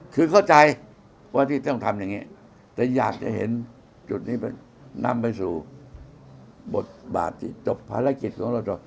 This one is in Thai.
คือเข้าใจว่าที่ต้องทำอย่างนี้แต่อยากจะเห็นจุดนี้นำไปสู่บทบาทที่จบภารกิจของเราจบ